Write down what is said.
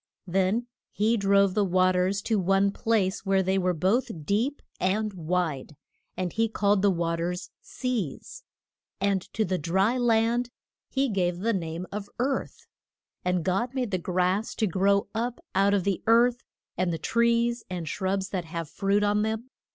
Then he drove the wa ters to one place where they were both deep and wide, and he called the wa ters Seas, and to the dry land he gave the name of Earth. And God made the grass to grow up out of the earth, and the trees and shrubs that have fruit on them.